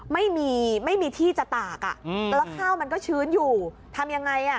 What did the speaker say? ไม่มีไม่มีที่จะตากแล้วข้าวมันก็ชื้นอยู่ทำยังไงอ่ะ